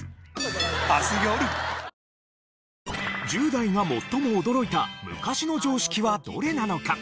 １０代が最も驚いた昔の常識はどれなのか？